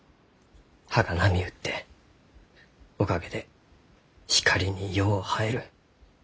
葉が波打っておかげで光によう映える。